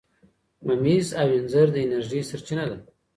ممیز او انځر د انرژۍ سرچینه ده.